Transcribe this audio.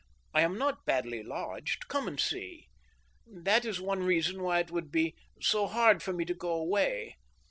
I am not badly lodged. Come and see. That is one reason why it would ^be so hard for me to go away.